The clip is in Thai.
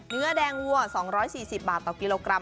เนื้อแดงวัว๒๔๐บาทต่อกิโลกรัม